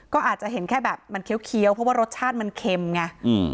ก็อาจจะเห็นแค่แบบมันเคี้ยวเพราะว่ารสชาติมันเค็มไงอืม